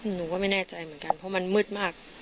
หนูก็ไม่แน่ใจเหมือนกันเพราะมันมืดมาก